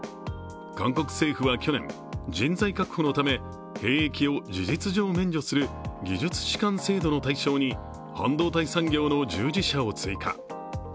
韓国政府は去年、人材確保のため兵役を事実上免除する技術士官制度の対象に半導体産業の従事者を追加。